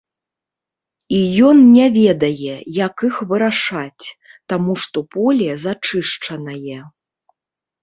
І ён не ведае, як іх вырашаць, таму што поле зачышчанае.